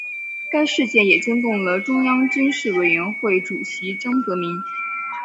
该事件也惊动了中央军事委员会主席江泽民。